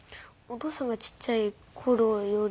お父さんがちっちゃい頃より真逆？